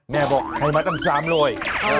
แม่บอกให้มาตั้ง๓๐๐